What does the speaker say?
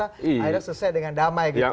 akhirnya selesai dengan damai gitu